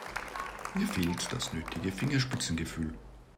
Ihr fehlt das nötige Fingerspitzengefühl.